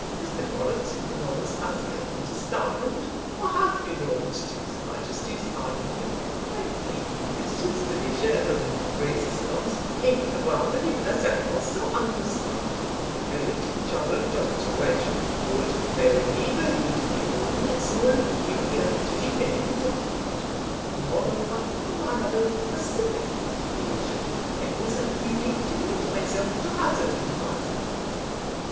Mr. Morris, who belongs, as I understand, or hath belonged, to his Majesty's army, might have used his pleasure in resistance, he travelling, as I also understand, with a great charge of treasure; but, for me, who had but my own small peculiar to defend, and who am, moreover, a man of a pacific occupation, I was unwilling to commit myself to hazard in the matter."